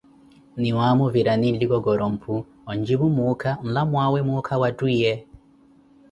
Niwaamo virani nlikokoroh mphu, onjipuh muukha, nlamwaawe muukha wa twiiye.